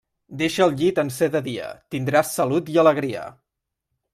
Deixa el llit en ser de dia: tindràs salut i alegria.